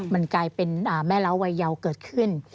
มันกลายเป็นแม่เล้าวัยเยาว์เกิดขึ้น